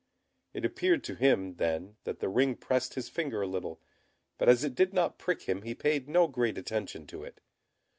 It appeared to him, then, that the ring pressed his finger a little; but as it did not prick him he paid no great attention to it.